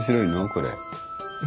これ。